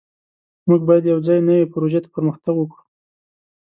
موږ باید یوځای نوې پروژې ته پرمختګ وکړو.